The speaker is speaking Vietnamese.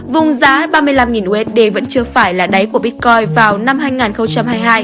vùng giá ba mươi năm usd vẫn chưa phải là đáy của bitcoin vào năm hai nghìn hai mươi hai